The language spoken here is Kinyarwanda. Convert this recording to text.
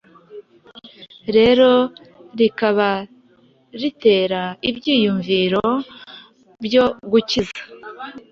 rero rikaba ritera ibyiyumviro byo gukiza